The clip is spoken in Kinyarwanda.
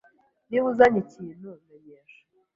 Niba uzanye ikintu, menyesha.